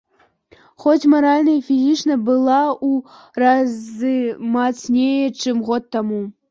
Хоць маральна і фізічна я была ў разы мацней, чым год таму.